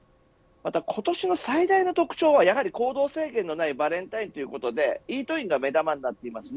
今年の最大の特徴はやはり行動制限のないバレンタインということでイートインが目玉になっています。